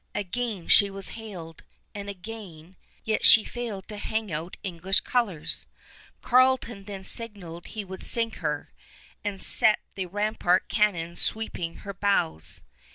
Again she was hailed, and again; yet she failed to hang out English colors. Carleton then signaled he would sink her, and set the rampart cannon sweeping her bows.